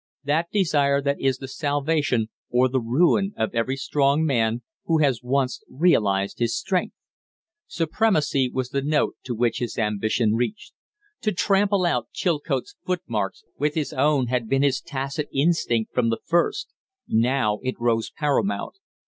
That desire that is the salvation or the ruin of every strong man who has once realized his strength. Supremacy was the note to which his ambition reached. To trample out Chilcote's footmarks with his own had been his tacit instinct from the first; now it rose paramount.